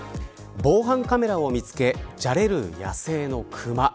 防犯カメラを見つけじゃれる野生のクマ。